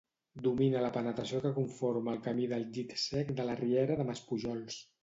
Domina la penetració que conforma el camí del llit sec de la riera de Maspujols.